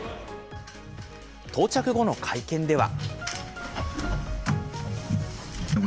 到着後の会見では。